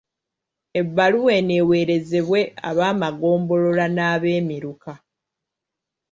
Ebbaluwa eno ewerezebwe ab'amagombolola n'abeemiruka.